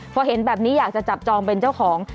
พอเห็นแบบนี้อยากจะจับจองเป็นเจ้าของ